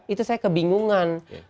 itu saya kebingungan